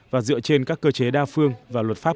và dựa trên các cơ chế đa phương và luật pháp